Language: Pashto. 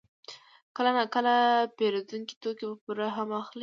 کله ناکله پېرودونکي توکي په پور هم اخلي